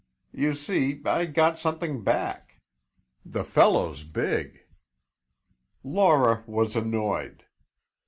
You see, I got something back. The fellow's big." Laura was annoyed.